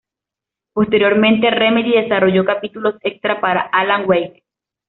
Posteriormente Remedy desarrolló capítulos extra para "Alan Wake".